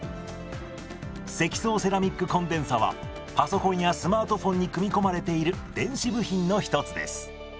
積層セラミックコンデンサはパソコンやスマートフォンに組み込まれている電子部品の一つです。